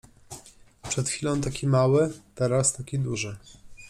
Przed chwilą taki mały, teraz taki duży